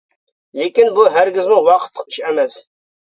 لېكىن بۇ ھەرگىزمۇ ۋاقىتلىق ئىش ئەمەس.